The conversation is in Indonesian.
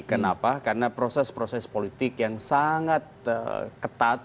kenapa karena proses proses politik yang sangat ketat